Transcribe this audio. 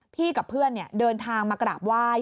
กับเพื่อนเดินทางมากราบไหว้